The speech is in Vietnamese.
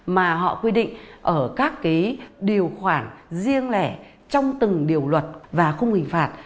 mà họ quy định ở các điều khoản riêng lẻ trong từng điều luật và không hình phạt